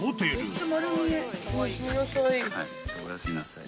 おやすみなさい。